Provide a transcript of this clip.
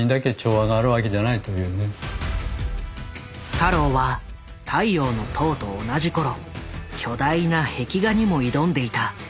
太郎は「太陽の塔」と同じ頃巨大な壁画にも挑んでいた。